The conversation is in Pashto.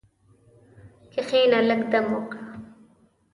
کښېنه، لږ دم وکړه.